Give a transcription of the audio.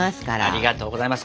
ありがとうございます。